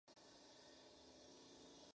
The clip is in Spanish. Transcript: Nació en una familia de pintores y de orfebres.